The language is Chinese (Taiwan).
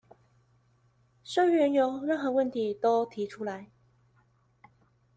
社員有任何問題都提出來